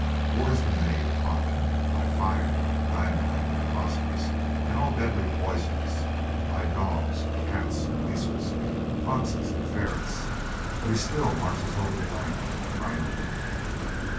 War has been made upon them by fire, dynamite, phosphorus, and all deadly poisons; by dogs, cats, weasels, foxes, and ferrets, but he still marches over the land triumphantly.